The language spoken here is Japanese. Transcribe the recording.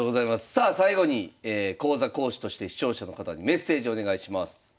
さあ最後に講座講師として視聴者の方にメッセージお願いします。